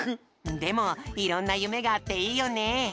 でもいろんなゆめがあっていいよね。